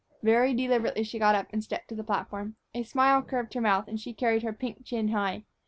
Very deliberately she got up and stepped to the platform. A smile curved her mouth, and she carried her pink chin high.